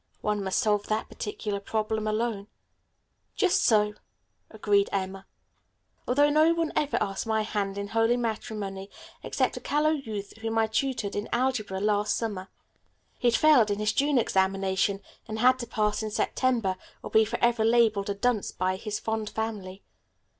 One must solve that particular problem alone." "Just so," agreed Emma. "Although no one ever asked my hand in holy matrimony except a callow youth whom I tutored in algebra last summer. He had failed in his June examination and had to pass in September or be forever labeled a dunce by his fond family.